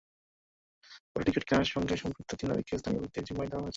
পরে টিকিট কেনার সঙ্গে সম্পৃক্ত তিন নারীকে স্থানীয় ব্যক্তির জিম্মায় দেওয়া হয়েছে।